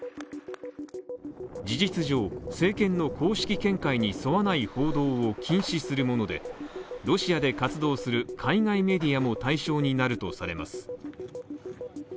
事実上、政権の公式見解に沿わない報道を禁止するものでロシアで活動する海外メディアも対象になるとされます。